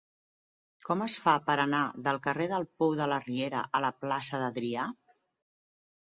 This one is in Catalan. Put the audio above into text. Com es fa per anar del carrer del Pou de la Riera a la plaça d'Adrià?